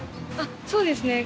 そうですね。